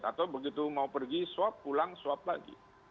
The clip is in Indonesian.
atau begitu mau pergi swab pulang swab lagi